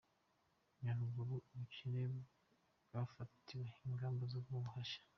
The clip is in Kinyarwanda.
Nyaruguru Ubukene bwafatiwe ingamba zo kubuhashya